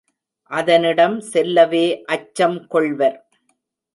அதனிடம் செல்லவே அச்சம் கொள்வர்.